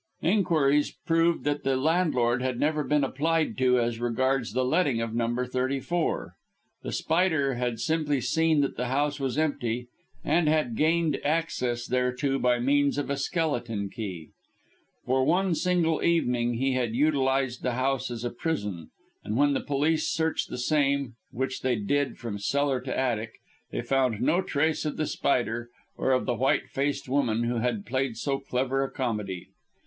Inquiries proved that the landlord had never been applied to as regards the letting of Number 34. The Spider had simply seen that the house was empty and had gained access thereto by means of a skeleton key. For one single evening he had utilised the house as a prison; and when the police searched the same, which they did from cellar to attic, they found no trace of The Spider or of the white faced woman who had played so clever a comedy.